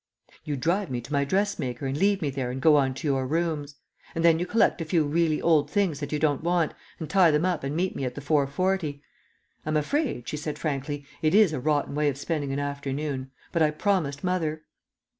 "You drive me to my dressmaker and leave me there and go on to your rooms. And then you collect a few really old things that you don't want and tie them up and meet me at the 4.40. I'm afraid," she said frankly, "it is a rotten way of spending an afternoon; but I promised mother."